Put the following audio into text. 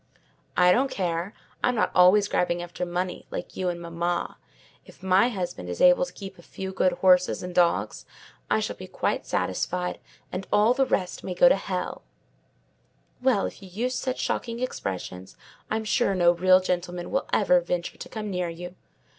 "I don't care: I'm not always grabbing after money, like you and mamma. If my husband is able to keep a few good horses and dogs, I shall be quite satisfied; and all the rest may go to the devil!" "Well, if you use such shocking expressions, I'm sure no real gentleman will ever venture to come near you.